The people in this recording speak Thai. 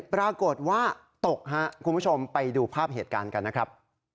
ปรากฏว่าตกครับคุณผู้ชมไปดูภาพเหตุการณ์กันนะครับ